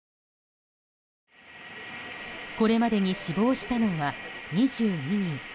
これまでに死亡したのは２２人。